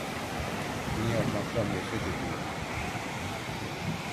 Bunu yapmaktan nefret ediyorum.